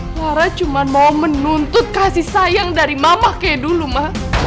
sarah cuma mau menuntut kasih sayang dari mama kayak dulu mah